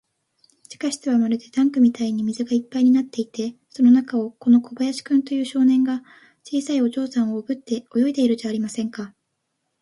地下室はまるでタンクみたいに水がいっぱいになっていて、その中を、この小林君という少年が、小さいお嬢さんをおぶって泳いでいるじゃありませんか。